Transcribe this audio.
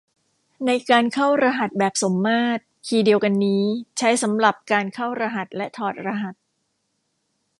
ในการเข้ารหัสแบบสมมาตรคีย์เดียวกันนี้ใช้สำหรับการเข้ารหัสและถอดรหัส